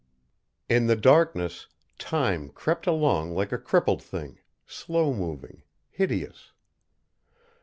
In the darkness Time crept along like a crippled thing, slow moving, hideous.